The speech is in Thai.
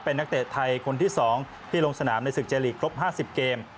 เป็นนักเตะไทยคนที่๒ที่ลงสนามในศึกเจลีกครบ๕๐เกม